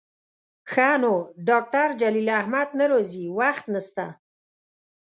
ښه نو ډاکتر جلیل احمد نه راځي، وخت نسته